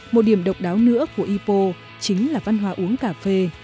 một điểm độc đáo nữa của ipo chính là văn hóa uống cà phê